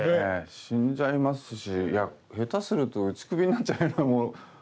死んじゃいますしいや下手すると打ち首になっちゃうようなものぐらい。